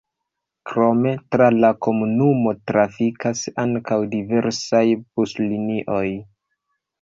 Krome tra la komunumo trafikas ankaŭ diversaj buslinioj.